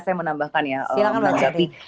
silahkan mbak jati